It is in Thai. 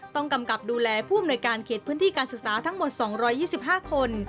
กำกับดูแลผู้อำนวยการเขตพื้นที่การศึกษาทั้งหมด๒๒๕คน